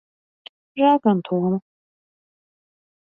Žēl gan Toma.